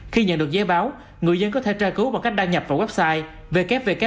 khi nhận được giấy báo người dân có thể tra cứu bằng cách đăng nhập vào website